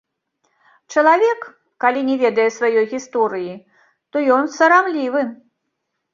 Чалавек, калі не ведае сваёй гісторыі, то ён сарамлівы.